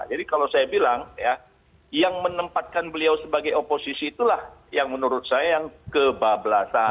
jadi kalau saya bilang ya yang menempatkan beliau sebagai oposisi itulah yang menurut saya yang kebablasan